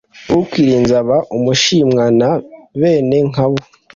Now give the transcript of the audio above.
ukwirinze aba umushimwa na bene nkabo